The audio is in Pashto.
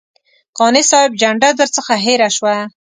قانع صاحب جنډه درڅخه هېره شوه.